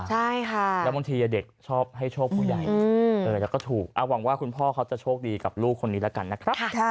ใช่ค่ะแล้วบางทีเด็กชอบให้โชคผู้ใหญ่แล้วก็ถูกหวังว่าคุณพ่อเขาจะโชคดีกับลูกคนนี้แล้วกันนะครับ